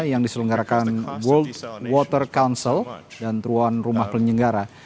yang diselenggarakan world water council dan tuan rumah penyelenggara